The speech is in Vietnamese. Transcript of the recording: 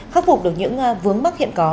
khắc phục được những vướng mắc hiện có